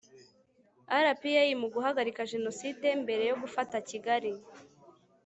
rpa mu guhagarika jenoside mbere yo gufata kigali